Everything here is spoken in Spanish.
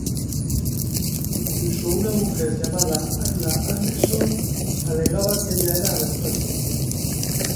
Incluso una mujer llamada Anna Anderson alegaba que ella era Anastasia.